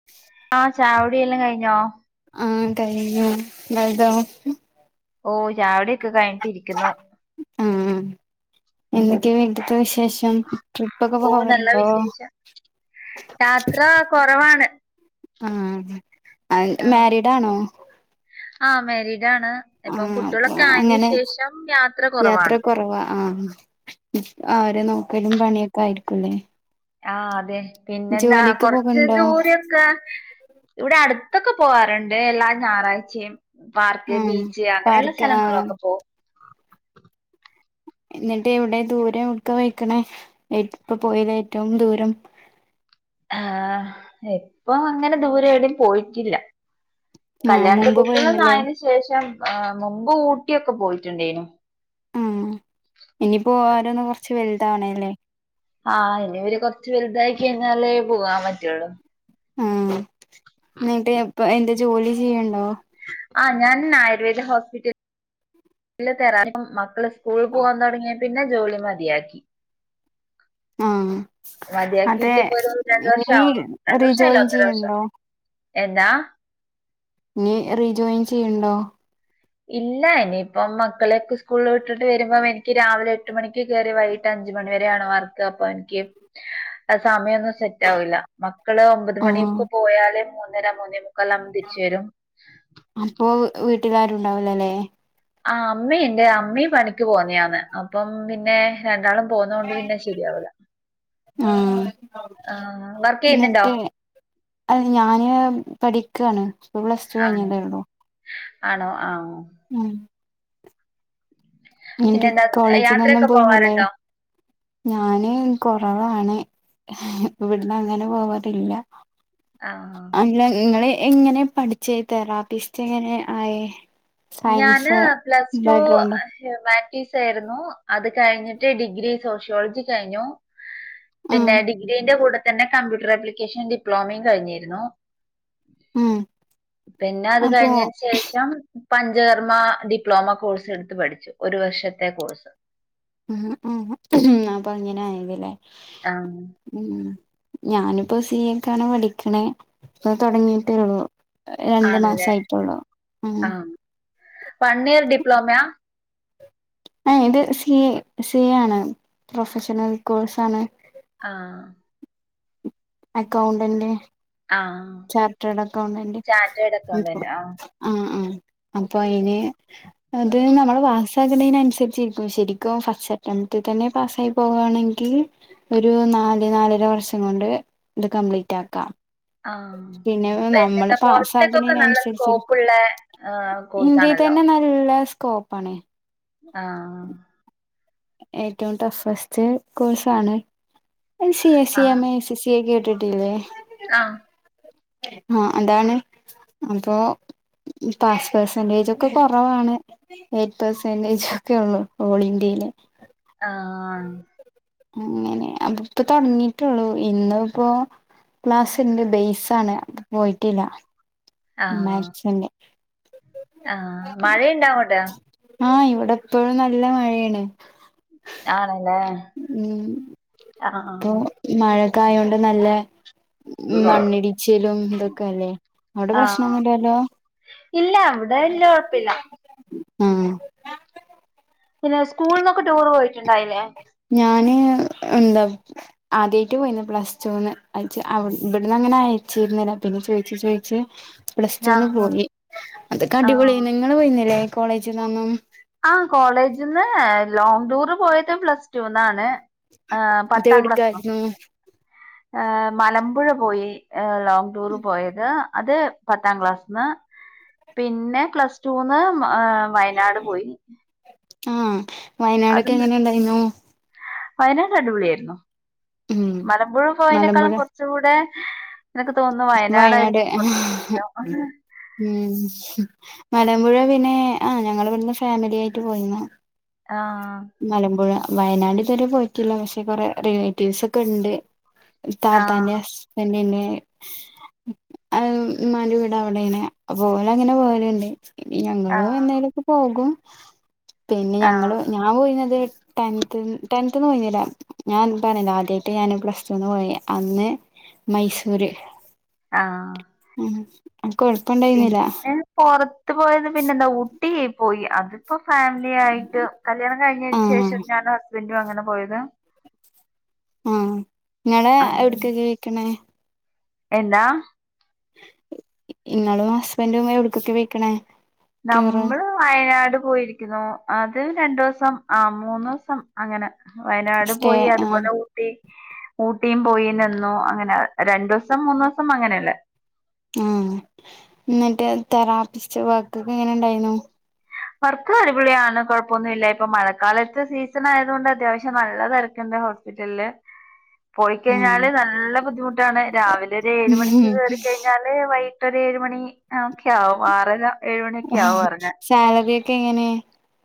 [inaudible] ആഹ് ചായയുടിയെല്ലാം കഴിഞ്ഞോ ആഹ് കഴിഞ്ഞു ങ്ങൾതോ ഓ ചായടിയൊക്കെ കഴിഞ്ഞിട്ടിരിക്കുന്നു ആഹ് എന്തൊക്കെയ വീട്ട്ത്തെ വിശേഷം ട്രിപ്പൊക്കെ ഓ നല്ല പോവാറുണ്ടോ ആ കുറവാണ് ആ അഹ് മാരിഡ് ആണോ ആഹ മേരീഡ് ആണ് ഇപ്പം ആഹ് അപ്പൊ കുട്ടികളൊക്കെ ആയതിനന് അങ്ങനെ ശേഷം യാത്ര യാത്ര കുറവാണ് കുറവാ ആഹ അവരെ നോക്കലും പണിയൊക്കെ ആയിരിക്കുംല്ലേ ആ അതെ പിന്നെന്താ ജോലിക്ക് കൊറച്ച് പോക്ണ്ടോ ദൂരൊക്കെ ഇവിടെ അടുത്തൊക്കെ പോവാറുണ്ട് എല്ലാ ഞായറാഴ്ചയും പാർക്ക് ആഹ് ബീച്ച് അങ്ങനെയുള്ള പാർക്ക് ആഹ് സ്ഥലങ്ങളിലൊക്കെ പോവും എന്നിട്ട് ഇവിടെ ദൂരം എടുക്ക പോയ്ക്കണേ ഇപ്പ പോയതിൽ ഏറ്റവും ദൂരം ആഹ ഇപ്പൊ അങ്ങനെ ദൂരെ എവിടെയും പോയിട്ടില്ല ആഹ് കല്യാണത്തെ മുമ്പ് കുട്ടിക്കളൊക്കെ പോയിന്നല്ലേ ആയതിന് ശേഷം മുമ്പ് ഊട്ടിയൊക്കെ പോയിട്ടുണ്ടേനു ഉം ഇനി പോവാനൊന്ന് കുറച്ച് വലുതാവണല്ലേ ആഹ് ഇനിവര് കുറച്ച് വലുതായി കഴിഞ്ഞാലേ പോകാൻ പറ്റുള്ളൂ ആ എന്നട്ട് അപ് അതിൻ്റെ ജോലി ചെയ്യണോ ആ ഞാൻ ആയുർവേദ ഹോസ്പിറ്റല തരാ മക്കള് സ്കൂൾ പോകാൻ തുടങ്ങിയാൽ പിന്നെ ജോലി മതിയാക്കി ആഹ് അതെ മതിയാക്കിട്ട് പോഒരു രണ്ട് വർഷം ഇനി ആവുന്നു രണ്ട് വർഷമായില്ല റീജോയിൻ ഒന്നര വർഷം ചെയ്യണ്ടോ എന്താ ഇനി റീജോയിൻ ചെയ്യണ്ടോ ഇല്ല ഇനിയിപ്പം മക്കളെയൊക്കെ സ്കൂളിൽ വിട്ടിട്ട് വരുമ്പോം എനിക്ക് രാവിലെ എട്ട് മണിക്ക് കയറി വൈ കിട്ട് അഞ്ച് മണി വരെയാണ് വർക്ക് അപ്പൊ എനിക്ക് ആ സമയം സെറ്റ് ആവില്ല മക്കള് ഒമ്പത് ആഹ് മണിയൊക്കെ പോയാല് മൂന്നര മൂന്നേ മുക്കാലാവുമ്പോ തിരിച്ച് വരും അപ്പോ വീട്ടിലാരും ഉണ്ടാവുലല്ലേ ആ അമ്മീ ണ്ട് അമ്മീ പണിക്ക് പോന്നതാന്ന് അപ്പം പിന്നെ രണ്ടാളും പോന്നെകൊണ്ട് പിന്നെ ശെരിയാവൂലാ ആഹ് ആഹ് വർക്ക് ചെയ്യുന്നുണ്ടോ? എന്നിട്ട് അത് ഞാന് പഠിക്കാണ് പ്പം പ്ലസ്ടു ആണ്. കഴിഞ്ഞതേ ഉള്ളു ആണോ ആഹ് ഉം ന്ന്ട്ട് പിന്നെന്താ കോളേജിലൊന്നും യാത്രയൊക്കെ പോയ്നില്ലേ പോവാറുണ്ടോ? ഞാന് കൊറവാണ് ഇവിടന്നങ്ങനെ പോവാറില്ല ആഹ് അല്ല ഇങ്ങള് എങ്ങനെ പഠിച്ചേ തെറാപ്പിസ്റ്റെങ്ങനെ ആയെ ഞാന് പ്ലസ്ടൂ ബാക്ക്ഗ്രൗണ്ട് ഹ്യുമാനിറ്റീസാരുന്നു അത് കഴിഞ്ഞിട്ട് ഡിഗ്രി സോഷ്യോളജി കഴിഞ്ഞു ഉം പിന്നെ ഡിഗ്രീന്റെ കൂടെ തന്നെ കമ്പ്യൂട്ടറാപ്ലിക്കേഷൻ ഡിപ്ലോമയും കഴിഞ്ഞിരുന്നു ഉം പിന്നെ അത് അപ്പൊ കഴിഞ്ഞേന് ശേഷം പഞ്ചകർമ്മ ഡിപ്ലോമ കോഴ്സെടുത്ത് പഠിച്ചു ഒരു വർഷത്തെ കോഴ്സ് ഉം ഉം അപ്പൊ അങ്ങനെ ആയ്വില്ലേ ആഹ് ഉം ഞാനിപ്പോ സി ഏക്കാണ് പഠിക്കണേ ഇപ്പത് തൊടങ്ങീട്ടേ ഒള്ളു എഹ് രണ്ട് ആണല്ലേ? മാസായിട്ടൊള്ളൂ ഉം ആ. വൺ ഈയർ ഡിപ്ലോമയാ ഏഹ് ഇത് സി എ സി എ ആണ് പ്രൊഫഷണൽ കോഴ്സാണ് ആഹ് അക്കൗണ്ടെന്റ് ആഹ് ചാർട്ടേഡ് അക്കൗണ്ടന്റ് ചാറ്റേഡ് ഉം ഇപ്പൊ അക്കൗണ്ടന്റ് ആഹ് ആഹ് ആഹ് അപ്പൊ ഇനീ അത് നമ്മള് പാസകുന്നതിനനുസരിച്ചിരിക്കും ശെരിക്കും ഫസ്റ്റ് അറ്റംപ്റ്റ് തന്നെ പാസ്സായി പോവാണെങ്കി ഒരു നാല് നാലര വർഷം കൊണ്ട് ഇത് കംപ്ലീറ്റ് ആക്കാം ആഹ് പിന്നെ നമ്മള് പിന്നന്താ പൊറത്തേക്കൊക്കെ നല്ല പാസ്സാകുന്നതിനനുസരിച്ച് സ്കോപ്പ്ള്ളേ ആഹ് കോഴ്സാണ് ഇതിന് നല്ല സ്കോപ്പാണെ ആഹ് [inaudible] ഏറ്റോം ടഫസ്റ്റ് കോഴ്സാണ് എ സി സി ആഹ് എം എ സിസ് സി എ കേട്ടിട്ടില്ലേ ആഹ് ആഹ് അതാണ് അപ്പോ ഉം പാസ് പെർസെൻടേജൊക്കെ കൊറവാണ് എയ്റ്റ് പെർസെൻടേജൊക്കെ ഒള്ളൂ ഓൾ ഇന്ത്യയ്ല് ആഹ് ആഹ് അങ്ങനെ അവ്ടിപ്പം തൊടങ്ങീട്ടേ ഒള്ളൂ ഇന്ന്പ്പോ ക്ലാസ്സ്ണ്ട് ബേയ്സാണ് അപ്പ പോയിട്ടില്ല ആഹ് മാത്‍സ്ന്റെ ആഹ് മഴയ്ണ്ടോ അങ്ങോട്ട് ആഹ് ഇവിടെ എപ്പോഴും നല്ല മഴയാണ് ആണല്ലേ ആഹ് ആഹ് ആഹ് മഴയ്ക്കായോണ്ട് നല്ല മ്മ് മണ്ണിടിച്ചിലും ഇതൊക്കെ അല്ലേ അവിടെ ആഹ് പ്രശ്നൊന്നുല്ലല്ലോ ഇല്ല ഇവിടെ വല്യ കൊഴപ്പില്ല. ഉം പിന്നെ സ്കൂളിൽന്നൊക്കെ ടൂർ പോയിട്ടുണ്ടായില്ലേ? ഞാന് എന്താ ആദ്യായിട്ട് പോയിന്നു പ്ലസ് ടൂന്ന് അയച് ഇവിടന്ന് അങ്ങനെ അയച്ചിരുന്നില്ല പിന്നെ ചോയിച്ചു ചോയിച്ച് പ്ലസ് ടൂന്ന് ആഹ് പോയി അതൊക്കെ അടിപൊളി ആഹ് നിങ്ങള് പോയിന്നില്ലെ കോളേജിന്നൊന്നും ആഹ് കോളേജിൽന്ന് ലോങ്ങ് ടൂറ് പോയത് പ്ലസ് ടൂന്നാണ്. ആഹ് അത് പത്താം ക്ലാസ്സ്‌ന്നോ എവിടക്കായിരുന്നു ആഹ് മലമ്പുഴ പോയി ലോങ് ടൂർ പോയത് അത് പത്താം ക്ലാസ്ന്ന് പിന്നെ പ്ലസ് ടൂന്ന് വയനാട് പോയി ആഹ് അത് വയനാടൊക്കെ എങ്ങനെ ഉണ്ടായീന്നു? വയനാട് അടിപൊളിയാരുന്നു ഉം മലമ്പുഴ പോയേനെക്കാളും മലമ്പുഴ കൊറച് ച്ചൂടെ എനക്ക് തോന്ന്ന്നു വയനാട് വയനാടാരിക്കും കൊറച്ചുംകൂടെ ഇഷ്ടം. ഉം മലമ്പുഴ പിന്നെ ആഹ് ഞങ്ങളിവിടുന്ന് ഫാമിലി ആയിട്ട് പോയീന്നു. ആഹ് മലമ്പുഴ വയനാട് ഇതുവരെ പോയിട്ടില്ല പക്ഷെ കൊറെ റിലേറ്റീവ്സ് ഒക്കെ ണ്ട്. ഇത്താത്താന്റെ ആഹ് ഹസ്ബൻ്റ്ൻ്റെ അഹ് ഇമ്മാന്റെ വീട് അവിടേണ് അപ്പോ ഓളങ്ങനെ പോവലുണ്ട്. ആഹ് ഞങ്ങളും എന്നേലൊക്കെ പോകും പിന്നെ ആഹ് ഞങ്ങള് ഞാൻ പോയിന്നത് ടെൻത് ടെൻത് ന്ന് പോയിന്നീല്ല ഞാൻ പറഞ്ഞില്ലേ ആദ്യാട്ട് ഞാന് പ്ലസ് ടൂന്ന് പോയ അന്ന് മൈസൂര് ആഹ് ഉം കൊഴ പിന്നെ പൊറത്ത് പോയത് പിന്നെന്താ ഊട്ടി പോയി അത് ഇപ്പൊ ഫാമിലി ആയിട്ട് കല്യാണം കഴിഞ്ഞതിന് ആഹ് ശേഷം ഞാനും ഹസ്ബൻഡും അങ്ങനെ പോയതാ ആഹ് നിങ്ങളെ അത് എവിടക്കാക്കേക്കണേ? എന്താ നിങ്ങളും ഹസ്ബൻഡും എവിടക്കൊക്കെ പോയ്‌ക്കണേ? നമ്മള് വയനാട് പോയിരിക്കുന്നു അത് രണ്ടൂസം ആ മൂന്നൂസം അങ്ങനെ വയനാട് സ്റ്റേ പോയി ആഹ് അതുപോലെ ഊ ട്ടീ ഊട്ടിയും പോയി നിന്നു അങ്ങനെ രണ്ടൂസം മൂന്നൂസം അങ്ങനെയല്ലേ ഉം എന്നിട്ട് തെറാപ്പിസ്റ്റ് വർക്കൊക്കെ എങ്ങനെ ഉണ്ടായീന്നു? വർക്ക് അടിപൊളിയാണ്, കൊഴപ്പൊന്നൂല്യ ഇപ്പൊ മഴക്കാലത്ത് സീസണായതുകൊണ്ട് അത്യാവശ്യം നല്ല തിരക്കുണ്ട് ഹൗസ് ഹോസ്പിറ്റലില് [inaudible] ഉം പോയിക്കഴിഞ്ഞാല് നല്ല ബുദ്ധിമുട്ടാണ്. രാവിലെ ഒരു ഏഴ് മണിക്ക് കേറിക്കഴിഞ്ഞാൽ വൈകിട്ട് ഒരേഴ് മണി ഒക്കെയാവും ആറര. ഏഴ് മണിയൊക്കെ ആവും എറങ്ങാൻ. സാലറിയൊക്കെ എങ്ങനെ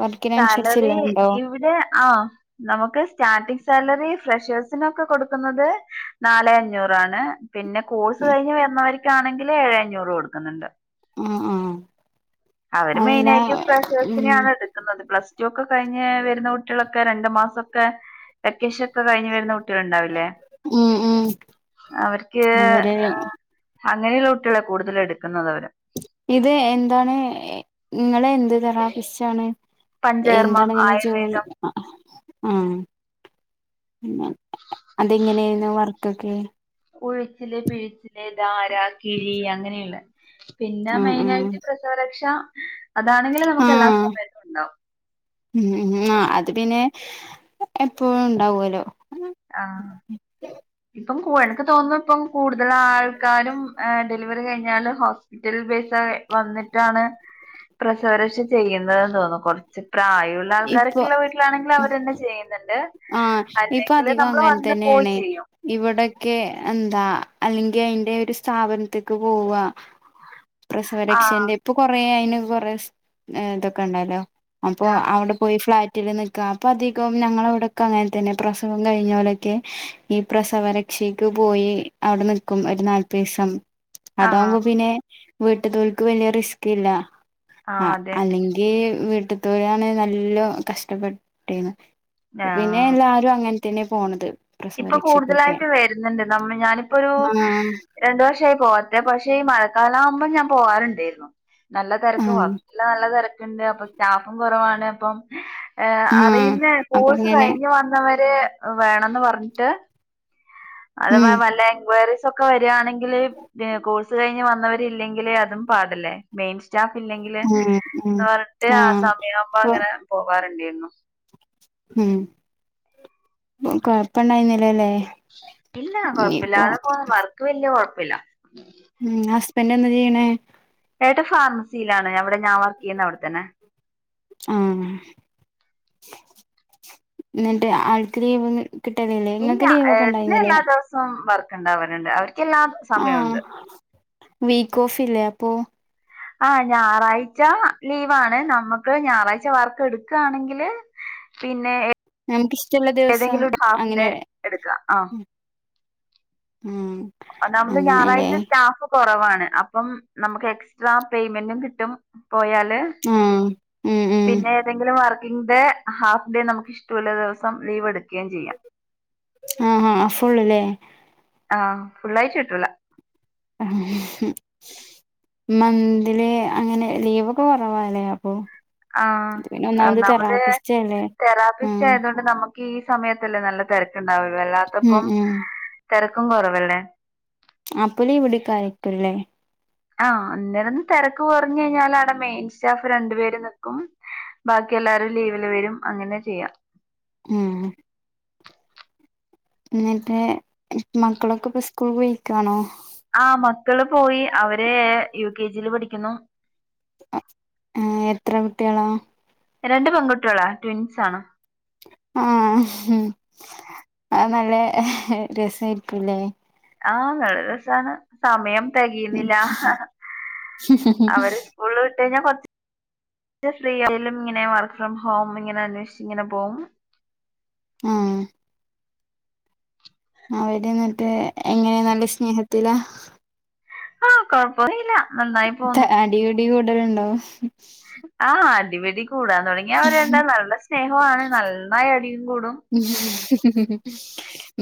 വർക്കിനനുസരിച്ചല്ലേ സാലറി ഉണ്ടോ ഇവിടെ, ആഹ് നമുക്ക് സ്റ്റാർട്ടിങ് സാലറി ഫ്രഷേഴ്സിനൊക്കെ കൊടുക്കുന്നത് നാല് അഞ്ഞൂറാണ് പിന്നെ കോഴ്സ് കഴിഞ്ഞ് വരുന്നവര്ക്കാണെങ്കില് ഏഴ് അഞ്ഞൂറ് കൊടുക്കുന്നുണ്ട് ഉം ഉം അവര് മെയിനായിട്ടും ഉം ഫ്രഷേഴ്സിനെയാണ് എടു ക്കുന്നത്. പ്ലസ് ടു ഒക്കെ കഴിഞ്ഞ് വരുന്ന കുട്ടികളൊക്കെ, രണ്ടു മാസം ഒക്കെ വെക്കേഷൻ ഒക്കെ കഴിഞ്ഞു വരുന്ന കുട്ടികളുണ്ടാവുല്ലേ. ഉം ഉം അവർക്ക് അവര് അങ്ങനെയുള്ള കുട്ടികളെ കൂടുതല് എടുക്കുന്നത് അവര്. ഇത് എന്താണ് ഇങ്ങളെന്ത് തെറാപ്പിസ്റ്റണ്. പഞ്ചകർമ്മ എന്താണ് ഇങ്ങനെ ജോലി ആയുർവേദം ആഹ് അതെങ്ങനെന്നു വർക്കൊക്കെ ഒഴിച്ചില് പിഴിച്ചില് ധാര, കിഴി, അങ്ങനെയൊക്കെ. പിന്നെ ഉം ഉം മെയിനായിട്ട് പ്രസവരക്ഷ അതാണെങ്കിലും നമുക്ക് എല്ലാ ആഹ് സമയത്തുണ്ടാവും ഉം ആഹ് അത് പിന്നെ എപ്പഴും ഇണ്ടാവല്ലോ. ആഹ് ഇപ്പം എനിക്ക് തോന്നുന്നു, ഇപ്പം കൂടുതൽ ആൾക്കാരും ഡെലിവറി കഴിഞ്ഞാല് ഹോ സ്പിറ്റൽ പൈസ വന്നിട്ടാണ് പ്രസവരക്ഷ ചെയ്യുന്നതെന്ന് തോന്നുന്നു. കൊറച്ച് പ്രായമുള്ള ഇപ്പൊ ആൾക്കാരൊക്കെയുള്ള വീട്ടിലാണെങ്കിലിൽ ഉം അവര് തന്നെ ചെയ്യുന്നുണ്ട്. ആഹ് ഇപ്പൊ അല്ലെങ്കിൽ അധികം നമ്മള് അങ്ങനെ വന്ന് പോയി തന്നെയാണ് ചെയ്യും. ഇവിടൊക്കെ എന്താ? അല്ലെങ്കിൽ അതിൻ്റെ ഒരു സ്ഥാപനത്തേക്ക് പോവുക. [inaudible] ആഹ് പ്രസവരക്ഷന്റെ ഇപ്പൊ കൊറേ അതിന് കൊറേ ഇതൊക്കെ ണ്ടല്ലോ അപ്പൊ ആഹ് അവിടെ പോയി ഫ്ലാറ്റിൽ നിൽക്കുക അപ്പൊ അധികം ഞങ്ങളെവിടൊക്കെ അങ്ങനെ തന്നെയാ പ്രസവം കഴിഞ്ഞാലൊക്കെ ഈ പ്രസവ രക്ഷയ്ക്ക് പോയി അവിടെ നിക്കും ഒരു നാല്പത് ദിവസം. അതാകുമ്പോ ആഹ് പിന്നെ, വീട്ടിലുള്ളോൽക്ക് വലിയ റിസ്ക് ഇല്ല. ആഹ് അല്ലെങ്കി ഈ വീട്ടിത്തോരാണേ നല്ല കഷ്ടപ്പെട്ടിന് പിന്നെ ആഹ് അങ്ങനെ തന്നെ പോണത് ഇപ്പൊ പ്രസവപരീക്ഷക്കൊക്കെ കൂടുതലായിട്ട് വരുന്നുണ്ട്. നമ്മൾ ഞാനിപ്പോ ഒരു ആഹ് രണ്ടു വർഷമായി പോകാത്തെ പക്ഷേ ഈ മഴക്കാലം ആവുമ്പോം ഞാൻ പോവാറുണ്ടായിരുന്നു. നല്ല തിരക്കുമാ. ആഹ് ഹോസ്പിറ്റലിൽ നല്ല തിരക്കുണ്ട്. അപ്പൊ സ്റ്റാഫും കുറവാണ്. അപ്പം ഏഹ് ആഹ് അറിയുന്നേ അപ്പൊ കോഴ്സ് അങ്ങനെ കഴിഞ്ഞ് വന്നവരെ വേണംന്ന് പറഞ്ഞിട്ട്. അതവാ ഉം വല്ല എൻക്വയറി ഒക്കെ വരിയാണെങ്കിൽ കോഴ്സ് കഴിഞ്ഞ് വന്നവരില്ലെങ്കില് അതും പാടല്ലേ. മെയിൻ സ്റ്റാഫ് ഇല്ലെങ്കില് ഉം ഉം എന്ന് പറഞ്ഞിട്ട് ആഹ് സമയം ആവുമ്പോ ഇപ്പൊ അങ്ങനെ പോകാറുണ്ടാരുന്നു. ഉം കൊഴപ്പണ്ടായിരുന്നില്ലല്ലേ. ഇനിയിപ്പൊ എനിക്ക് വലിയ കുഴപ്പല്ല ഉം ഹസ്ബൻറ് എന്ത് ചെയ്യ്ണ്. ഏട്ടൻ ഫാർമസിയിലാണ്. അവിടെ ഞാൻ വർക്ക് ചെയ്യുന്ന അവിടത്തന്നെ. ആഹ് എന്നിട്ട് ആൾക്ക് ലീവ് കിട്ടലില്ലേ? നിങ്ങൾക്ക് ലീവ് ഒക്കെ ഉണ്ടായിരുന്നില്ലേ. എപ്പഴും വർക്ക് ഉണ്ടാവാറുണ്ട്. അവർക്ക് എല്ലാ ആഹ്. സമയവുണ്ട്. വീക്ക് ഓഫ് ഇല്ലേ അപ്പൊ ആഹ് ഞായറാഴ്ച ലീവാണ് നമ്മക്ക് ഞായറാഴ്ച വർക്ക് എടുക്കയാണെങ്കില് പിന്നെ നമുക്ക് ഇഷ്ടമുള്ള ദിവസം ഏതെങ്കിലും ഒരു ഹാഫ് ഡേ അങ്ങനെ എടുക്കാം. ആഹ് ഉം ഒന്നാമത് അങ്ങനെല്ലേ ഞായറാഴ്ച സ്റ്റാഫ് കുറവാണ് അപ്പം നമുക്ക് എക്സ്ട്രാ പേയ്മെന്റും കിട്ടും പോയാല് ഉം ഉം പിന്നെ ഏതെങ്കിലും വർക്കിംഗ് ഡേ ഹാഫ് ഡേ നമുക്ക് ഇഷ്ടമുള്ള ദിവസം ലീവ് എടുക്കുകയും ചെയ്യാം ആഹ് ആഹ് ഫുള്ല്ലേ ആഹ് ഫുള്ളാഴ്ട്ട് കിട്ടൂല ഉം മന്ത്ലി അങ്ങനെ ലീവൊക്കെ കുറവാലേ അപ്പൊ ആ ഇത് പിന്നെ ഒന്നാമത് തെറാപ്പിസ്റ്റ് അല്ലേ തെറാപ്പിസ്റ്റ് ആഹ് ആയതൊണ്ട് നമുക്ക് ഈ സമയത്തല്ലേ നല്ല തിരക്കുണ്ടാവൽ ഉം അല്ലാത്തപ്പം ഉം തിരക്കും കുറവല്ലേ ആപ്പ ലീവെടുക്കാൻ അയക്കൂല്ലേ ആഹ് അന്നേരന്ന് തിരക്ക് കുറഞ്ഞു കഴിഞ്ഞാൽ ആണ് മെയിൻ സ്റ്റാഫ് രണ്ടു പേര് നിക്കും ബാക്കി എല്ലാരും ലീവില് വരും അങ്ങനെ ചെയ്യാം ഉം എന്നിട്ടേ മക്കളൊക്കെ ഇപ്പ സ്കൂൾ പോയിക്കാണോ ആ മക്കള് പോയി അവര് യു കെ ജി യില് പഠിക്കുന്നു ആഹ് എത്ര കുട്ടികളാ രണ്ട് പെൺകുട്ടികളാ ട്വിൻസ് ആണ് ആഹ് അ നല്ല രസായിരിക്കുംല്ലേ ആഹ് നല്ല രസാണ് സമയം തികയുന്നില്ല അവര് സ്കൂള് വിട്ട് കഴിഞ്ഞാ കൊറച്ച് ഫ്രീ ആയാലും ഇങ്ങനെ വർക്ക് ഫ്രം ഹോം ഇങ്ങനെ അന്വേഷിച്ച് ഇങ്ങനെ പോകും ആഹ് അവര് എന്നിട്ട് എങ്ങനെയ നല്ല സ്നേഹത്തില ആഹ് കൊഴപ്പന്നും ല്ല നന്നായി പോന്നു ഡിയു ഡിയും കൂടലുണ്ടോ ആഹ് അടിപിടി കൂടാൻ തുടങ്ങിയ അവര് രണ്ടാളും നല്ല സ്നേഹമാണ് നന്നായി അടിയും കൂടും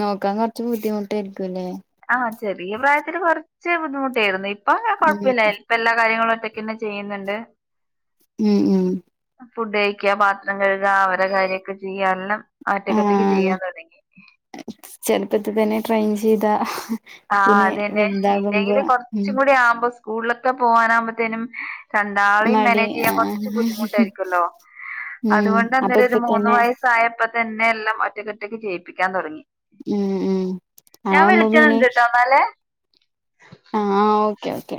നോക്കാൻ കുറച്ച് ബുദ്ധിമുട്ടായിരിക്കുംല്ലേ ആഹ് ചെറിയ പ്രായത്തില് കൊറച്ച് ബുദ്ധിമുട്ടായിരുന്നു ഇപ്പൊ അങ്ങനെ ഉം കൊഴപ്പയില്ല ഇപ്പൊ എല്ലാ കാര്യങ്ങളും ഒറ്റക്കന്നെ ചെയ്യുന്നുണ്ട് ഉം ഉം ഫുഡ് കഴിക്ക പാത്രം കഴുക അവരെ കാര്യക്കെ ചെയ്യ എല്ലാം ഒറ്റക്ക് ഒറ്റക്കെ ചെയ്യാൻ തുടങ്ങി ചെറുപ്പത്തിൽ തന്നെ ട്രെയിൻ ചെയ്താ ആ പിന്നെ അതന്നെ വലുതാകുമ്പോ ഇല്ലെങ്കില് ഉം കൊറച്ചും കൂടി ആവുമ്പോ സ്കൂളിലൊക്കെ പോവാനാകുമ്പത്തേനും രണ്ടാളിയും മടി മാനേജ് ചെയ്യാൻ കുറച്ച് ആഹ് ബുദ്ധിമുട്ടായിരിക്കല്ലോ ഉം അതുകൊണ്ട് അപ്പൊ അന്നേരം ഒരു ഇപ്പ മൂന്ന് തന്നെ വയസ് വയസായപ്പോ തന്നെ എല്ലാം ഒറ്റക്കെറ്റക്ക് ചെയ്യിപ്പിക്കാൻ തുടങ്ങി ഉം ഉം ഞാൻ ആവുമ്പോ പിന്നെ വിളിക്കുന്നുണ്ട്ട്ടോ ന്നാൽ ആഹ് ഓക്കെ ഓക്കെ